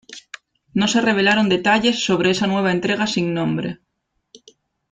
No se revelaron detalles sobre esa nueva entrega sin nombre.